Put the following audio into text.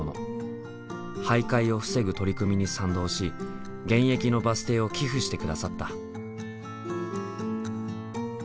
徘徊を防ぐ取り組みに賛同し現役のバス停を寄付して下さった。